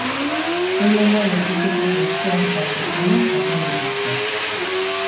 Ehun landare espezietako hostoak eta zurtoinak jaten dituzte.